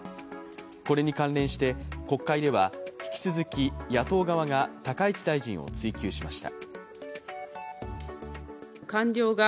これに関連して、国会では引き続き野党側が高市大臣を追及しました。